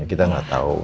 kita gak tau